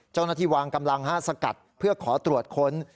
เจ้าหน้าที่วางกำลังสกัดเพื่อขอตรวจค้น